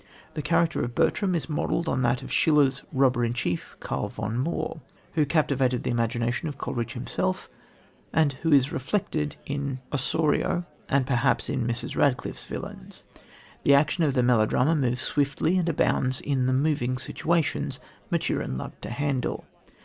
The character of Bertram is modelled on that of Schiller's robber chief, Karl von Moor, who captivated the imagination of Coleridge himself, and who is reflected in Osorio and perhaps in Mrs. Radcliffe's villains. The action of the melodrama moves swiftly, and abounds in the "moving situations" Maturin loved to handle.